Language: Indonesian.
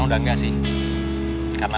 jadi aku gak bisa pergi